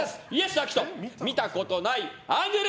アキト見たことないアングル。